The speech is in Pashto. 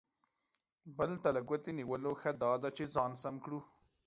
بل ته له ګوتې نیولو، ښه دا ده چې ځان سم کړو.